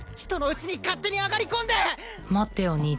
人のうちに勝手に上がりこんで待ってよ